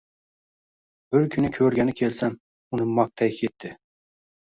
Bir kuni ko`rgani kelsam, uni maqtay ketdi